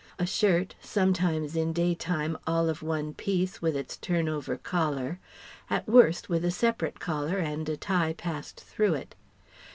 A shirt, sometimes in day time all of one piece with its turn over collar; at worst with a separate collar and a tie passed through it.